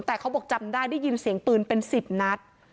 แต่เขาบอกจำได้ได้ยินเสียงปืนเป็น๑๐นัด